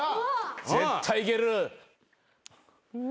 絶対いける。